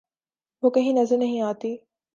وہ کہیں نظر نہیں آتی۔